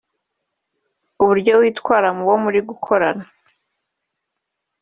uburyo witwara mubo muri gukorana